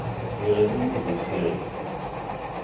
Iɣli yizi s iɣi.